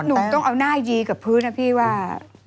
หนูต้องเอาหน้ายีกับพื้นนะพี่ว่า